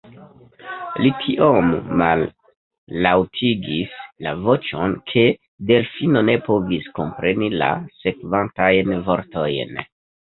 Li tiom mallaŭtigis la voĉon, ke Delfino ne povis kompreni la sekvantajn vortojn.